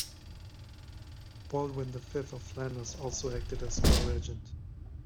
Baldwin the Fifth of Flanders also acted as co-regent.